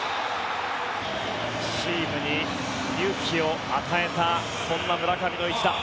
チームに勇気を与えたそんな村上の一打。